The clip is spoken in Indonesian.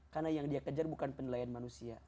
karena yang dia kejar bukan penilaian manusia